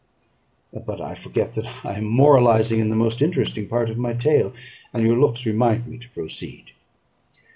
But I forget that I am moralising in the most interesting part of my tale; and your looks remind me to proceed.